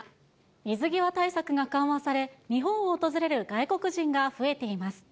水際対策が緩和され、日本を訪れる外国人が増えています。